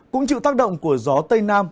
cũng chịu tác động của gió tây nam